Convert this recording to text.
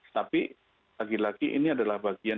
tapi lagi lagi ini adalah bagian